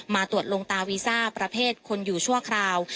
มาตรวจลงตาวีซ่าประเภทคนอยู่ชั่วคราว